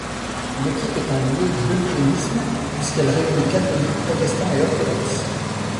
L'équipe est un lieu d’œcuménisme puisqu'elle réunit catholiques, protestants et orthodoxes.